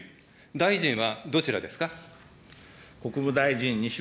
大臣はどちらですか。